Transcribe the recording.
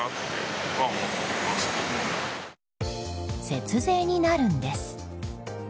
節税になるんです。